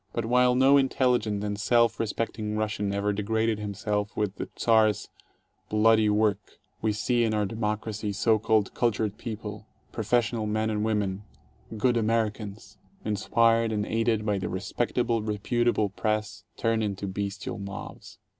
But while no intelligent and self re specting Russian ever degraded himself with the Czar's bloody work, we see in our democracy so called cultured people, professional men and women, "good Americans," inspired and aided by the "respectable, reputable" press, turn into bestial mobs.